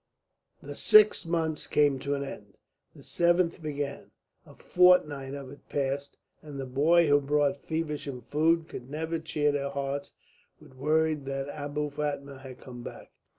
The six months came to an end. The seventh began; a fortnight of it passed, and the boy who brought Feversham food could never cheer their hearts with word that Abou Fatma had come back.